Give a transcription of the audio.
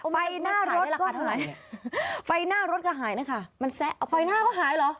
ไฟหน้ารถก็เท่าไหร่ไฟหน้ารถก็หายนะคะมันแซะเอาไฟหน้าก็หายเหรอ